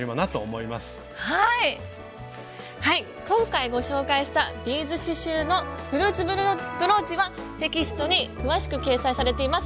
今回ご紹介したビーズ刺しゅうのフルーツブローチはテキストに詳しく掲載されています。